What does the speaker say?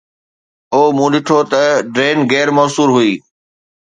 او، مون ڏٺو ته ڊرين غير موثر هئي